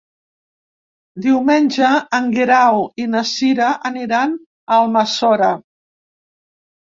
Diumenge en Guerau i na Cira aniran a Almassora.